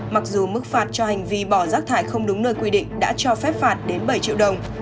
mặc dù mức phạt cho hành vi bỏ rác thải không đúng nơi quy định đã cho phép phạt đến bảy triệu đồng